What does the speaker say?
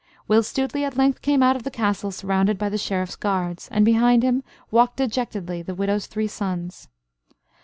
Will Stuteley at length came out of the castle surrounded by the Sheriff's guards; and behind him walked dejectedly the widow's three sons.